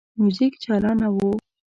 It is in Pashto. موزیک چالانه وو.